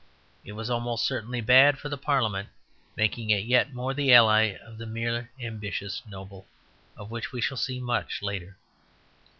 It was almost certainly bad for the parliament, making it yet more the ally of the mere ambitious noble, of which we shall see much later.